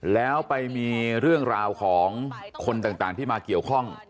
แล้วไปมีเรื่องราวของคนต่างที่มาเกี่ยวข้อง